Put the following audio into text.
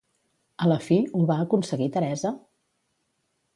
A la fi, ho va aconseguir Teresa?